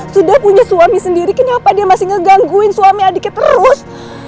sudah punya suami sendiri kenapa dia masih ngegangguin suami adiknya terus